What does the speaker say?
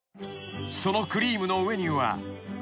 ［そのクリームの上には］